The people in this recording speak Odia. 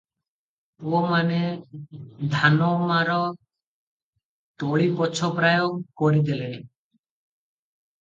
ପୁଅମାନ ଧାନଅମାର ତଳିପୋଛ ପ୍ରାୟ କରିଦେଲେଣି ।